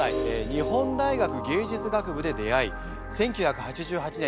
日本大学芸術学部で出会い１９８８年にコンビ結成。